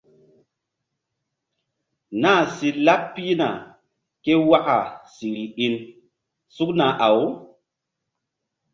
Nah si laɓ pihna ke waka siri-in sukna-aw.